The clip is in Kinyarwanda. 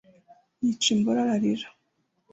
yica imboro ararira